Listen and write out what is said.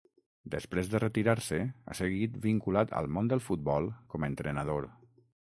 Després de retirar-se, ha seguit vinculat al món del futbol com a entrenador.